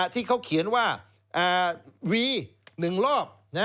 ที่เขาเขียนว่าวี๑รอบ